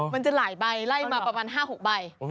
มันจะหลายใบไล่มาประมาณ๕๖ใบ